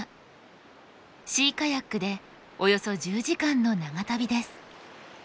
シーカヤックでおよそ１０時間の長旅です。